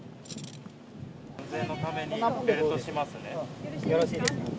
安全のためにベルトしますね。